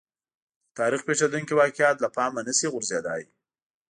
د تاریخ پېښېدونکي واقعات له پامه نه شي غورځېدای.